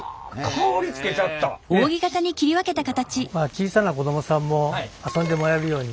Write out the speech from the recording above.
小さな子どもさんも遊んでもらえるように。